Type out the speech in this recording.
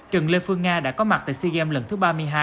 trần lê phương nga đã có mặt tại sea games lần thứ ba mươi hai